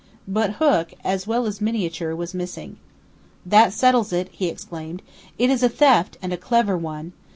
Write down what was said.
But hook, as well as miniature, was missing. "That settles it!" he exclaimed. "It is a theft, and a clever one!